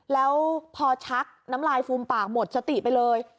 แล้วพอชักน้ำลายฟูมปากหมดสติไปเลย